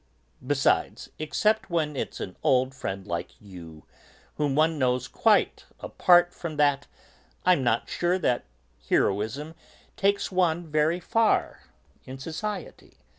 Besides, except when it's an old friend like you, whom one knows quite apart from that, I'm not sure that 'heroism' takes one very far in society.